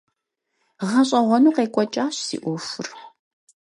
ГъэщӀэгъуэну къекӀуэкӀащ си Ӏуэхур.